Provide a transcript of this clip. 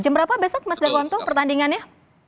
jam berapa besok mas darwanto pertandingannya